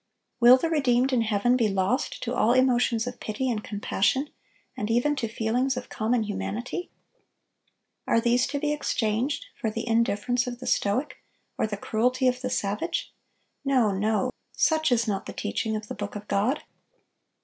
Will the redeemed in heaven be lost to all emotions of pity and compassion, and even to feelings of common humanity? Are these to be exchanged for the indifference of the stoic, or the cruelty of the savage? No, no; such is not the teaching of the Book of God.